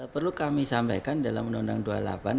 perlu kami sampaikan dalam undang undang dua puluh delapan